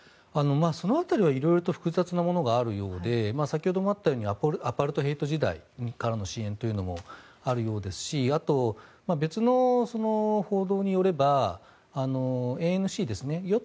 その辺りは色々と複雑なものがあるようで先ほどもあったようにアパルトヘイト時代からの支援というのもあるようですしあと、別の報道によればＡＮＣですね